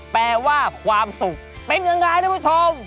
แปลว่าความสุขเป็นยังไงท่านผู้ชม